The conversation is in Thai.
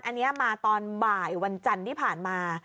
อันนี้มาตอนบ่ายวันจันทร์ที่ผ่านมา